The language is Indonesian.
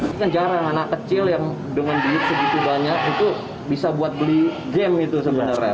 ini kan jarang anak kecil yang dengan diet segitu banyak itu bisa buat beli game itu sebenarnya